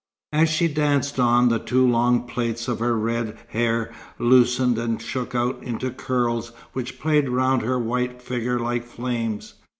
As she danced on, the two long plaits of her red hair loosened and shook out into curls which played round her white figure like flames.